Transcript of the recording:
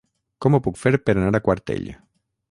Com ho puc fer per anar a Quartell?